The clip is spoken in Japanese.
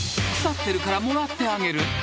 ［腐ってるからもらってあげる］